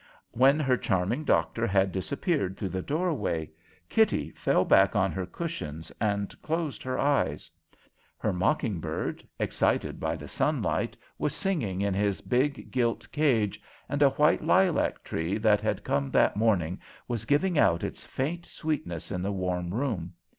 When her charming doctor had disappeared through the doorway, Kitty fell back on her cushions and closed her eyes. Her mocking bird, excited by the sunlight, was singing in his big gilt cage, and a white lilac tree that had come that morning was giving out its faint sweetness in the warm room.